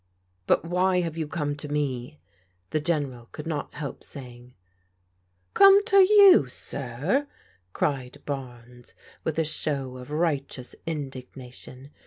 " But why have you come to me ?" the General could not help saying. "Come to you, sir!" cried Barnes, with a show of righteous indignation.